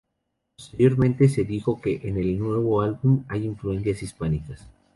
Posteriormente, se dijo que en el nuevo álbum hay influencias hispánicas.